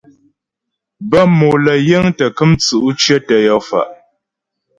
Bə́ mòm lə́ yiŋ tə́ kəm tsʉ̌' cyətə yɔ fa'.